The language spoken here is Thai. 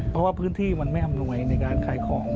เพราะว่าพื้นที่มันไม่อำนวยในการขายของ